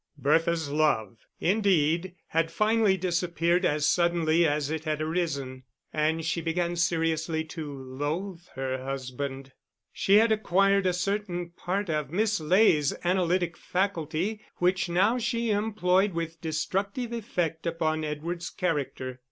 Bertha's love, indeed, had finally disappeared as suddenly as it had arisen, and she began seriously to loathe her husband. She had acquired a certain part of Miss Ley's analytic faculty, which now she employed with destructive effect upon Edward's character.